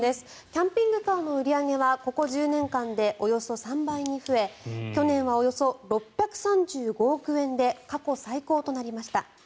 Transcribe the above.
キャンピングカーの売り上げはここ１０年間でおよそ３倍に増え去年はおよそ６３５億円で過去最高となりました。